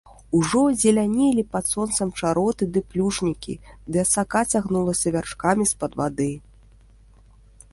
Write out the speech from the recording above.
Ужо зелянелі пад сонцам чароты ды плюшнікі, ды асака цягнулася вяршкамі з-пад вады.